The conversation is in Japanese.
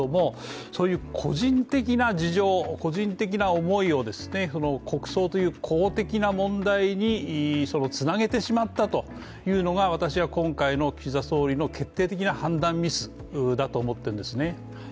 個人的な事情、個人的な思いを国葬という公的な問題につなげてしまったというのが私は今回の岸田総理の決定的な判断ミスだと思っているんですね。